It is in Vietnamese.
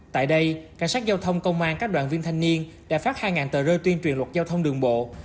tại đây cảnh sát giao thông công an các đoàn viên thanh niên đã phát hai tờ rơi tuyên truyền luật giao thông đường bộ